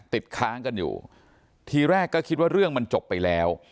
ติดค้างกันอยู่ทีแรกก็คิดว่าเรื่องมันจบไปแล้ว